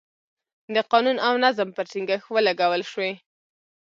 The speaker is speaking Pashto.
د قانون او نظم پر ټینګښت ولګول شوې.